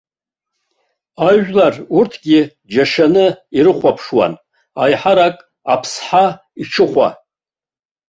Ажәлар урҭгьы џьашьаны ирыхәаԥшуан, аиҳарак аԥсҳа иҽыхәа.